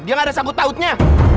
dia gak ada sanggup tautnya